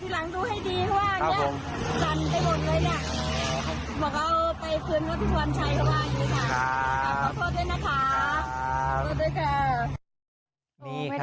แล้วทำไมคุณเจมส์ไขได้อ่ะเปล่าทีหลังดูให้ดีว่าครับผม